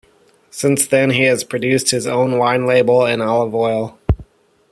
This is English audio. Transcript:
Since then, he has produced his own wine label and olive oil.